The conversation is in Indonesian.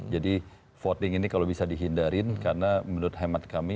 jadi voting ini kalau bisa dihindarin karena menurut hemat kami